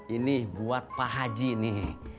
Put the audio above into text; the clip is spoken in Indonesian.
ini buat pak haji nih